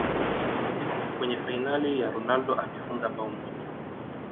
kwenye fainali ya ronaldo alifunga bao moja